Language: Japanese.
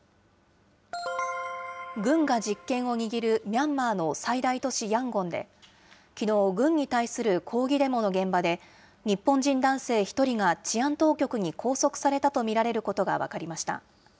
軍が実権を握るミャンマーの最大都市ヤンゴンで、きのう、軍に対する抗議デモの現場で、日本人男性１人が治安当局に拘束されたと見られることが分かりました。